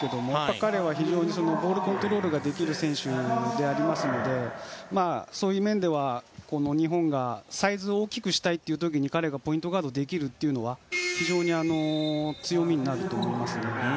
彼は非常にボールコントロールができる選手でありますのでそういう面では、日本がサイズを大きくしたい時に彼がポイントガードできるというのは非常に強みになると思います。